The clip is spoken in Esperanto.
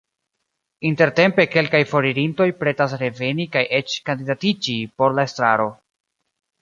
Intertempe kelkaj foririntoj pretas reveni kaj eĉ kandidatiĝi por la estraro.